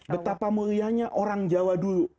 betapa mulianya orang jawa dulu